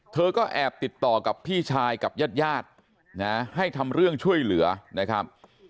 เธอก็แอบติดต่อกับพี่ชายกับญาติญาตินะให้ทำเรื่องช่วยเหลือนะครับ